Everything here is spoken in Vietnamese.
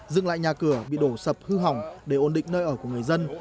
dựng lại nhà cửa bị đổ sập hư hỏng để ổn định nơi ở của người dân